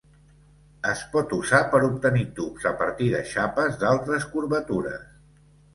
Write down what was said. Es pot usar per obtenir tubs a partir de xapes d'altres curvatures.